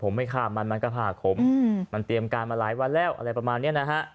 ผมไม่ฆ่ามันมันก็ผ้าขมมันเตรียมการมาหลายวันแล้วอะไรประมาณนี้นะฮะ